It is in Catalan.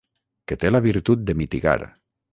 Que té la virtut de mitigar.